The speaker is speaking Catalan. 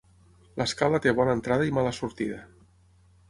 L'Escala té bona entrada i mala sortida.